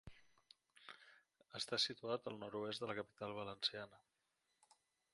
Està situat al nord-oest de la capital valenciana.